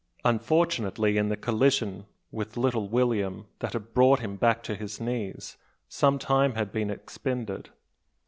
Unfortunately in the collision with little William, that had brought him back to his knees, some time had been expended.